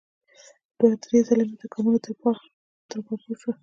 دوه ـ درې ځلې مې د ګامونو ترپا تر غوږ شوه.